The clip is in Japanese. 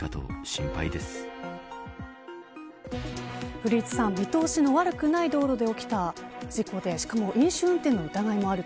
古市さん見通しの悪くない道路で起きた事故でしかも飲酒運転の疑いもある